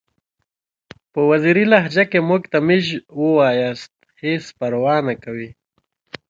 په وزیري لهجه کې که موږ ته میژ ووایاست هیڅ پروا نکوي!